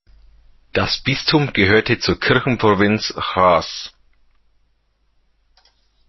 Das Bistum gehörte zur Kirchenprovinz Reims.